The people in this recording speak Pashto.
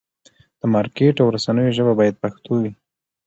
د مارکېټ او رسنیو ژبه باید پښتو وي.